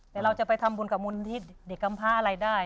แต่เราจะไปทำบุญกับมูลที่เด็กกำพาอะไรได้